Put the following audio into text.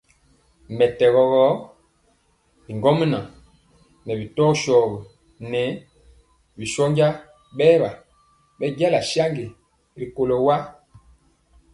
Mɛtɛgɔ gɔ, bigɔmŋa ŋɛɛ bi tɔ shogi ŋɛɛ bi shónja bɛɛwa bɛnja saŋgi kɔlo wa.